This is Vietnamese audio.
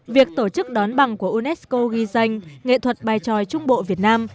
việc tổ chức đón bằng của unesco ghi danh nghệ thuật bài tròi trung bộ việt nam